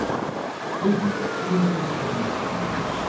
იგი ცილინდრული ფორმისაა.